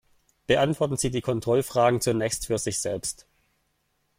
Beantworten Sie die Kontrollfragen zunächst für sich selbst.